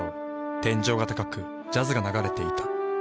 天井が高くジャズが流れていた。